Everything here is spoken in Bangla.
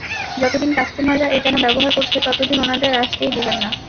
যতদিন কাস্টমাররা এটা না ব্যবহার করছে, ততদিন, ওনাদের আসতেই দিবেন না।